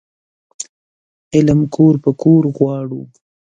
علم کور په کور غواړو